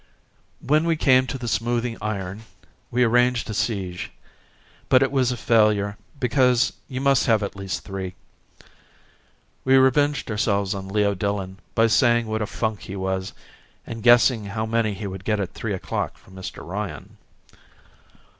When we came to the Smoothing Iron we arranged a siege; but it was a failure because you must have at least three. We revenged ourselves on Leo Dillon by saying what a funk he was and guessing how many he would get at three o'clock from Mr Ryan.